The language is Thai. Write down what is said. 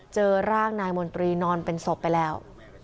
เจอร่างนายมนตรีนอนเป็นศพไปแล้ว